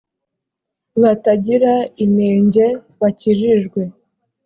batagira inenge bakijijwe